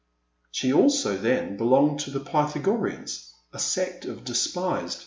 She also then belonged to the Pythagoreans — a sect I despised.